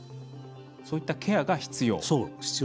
そういったケアが必要？